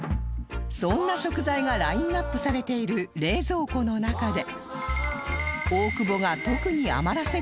そんな食材がラインアップされている冷蔵庫の中で